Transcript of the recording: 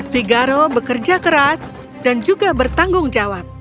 figaro bekerja keras dan juga bertanggung jawab